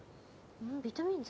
ビタミン剤？